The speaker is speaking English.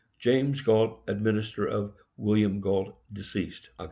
JAMES GALT, Administrator of William Galt, deceased _Oct.